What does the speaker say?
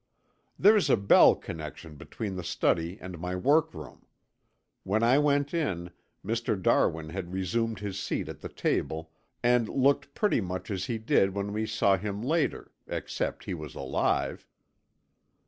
"There's a bell connection between the study and my workroom. When I went in Mr. Darwin had resumed his seat at the table and looked pretty much as he did when we saw him later, except he was alive."